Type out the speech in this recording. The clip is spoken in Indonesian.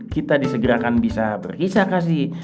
kita disegerakan bisa berkisah kasih